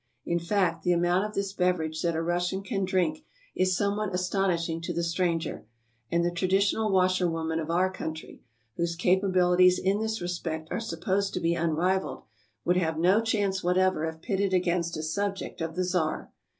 In fact, the amount of this beverage that a Russian can drink is somewhat astonishing to the stranger; and the traditional washerwoman of our country, whose capabilities in this respect are supposed to be unrivaled, would have no chance whatever if pitted against a subject of the Tsar.